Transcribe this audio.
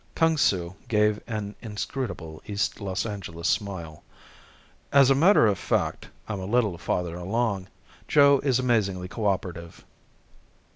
Kung Su gave an inscrutable East Los Angeles smile. "As a matter of fact, I'm a little farther along. Joe is amazingly coöperative."